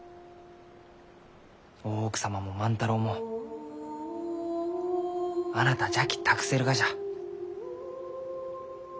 大奥様も万太郎もあなたじゃき託せるがじゃ。